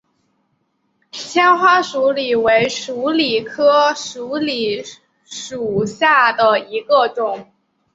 纤花鼠李为鼠李科鼠李属下的一个种。